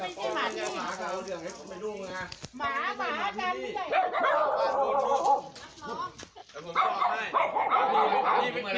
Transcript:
แล้วหมาจะเอาเรื่อง